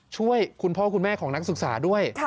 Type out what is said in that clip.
ช่วยคุณพ่อคุณแม่ของนักศึกษาด้วย